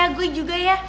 ya gue juga ya